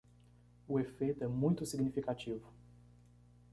O efeito é muito significativo